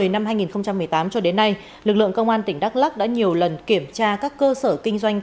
năm hai nghìn một mươi tám cho đến nay lực lượng công an tỉnh đắk lắc đã nhiều lần kiểm tra các cơ sở kinh doanh